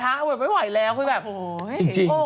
ถ้าเราอัดร้านหมูกระทะไม่ไหวแล้ว